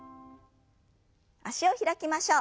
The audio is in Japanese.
脚を開きましょう。